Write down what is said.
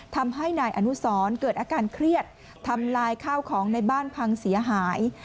ทำให้นายอนุสรเกิดอาการเครียดทำลายข้าวของในบ้านพังเสียหาย